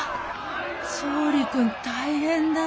総理君大変だ。